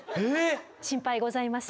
心配ございません。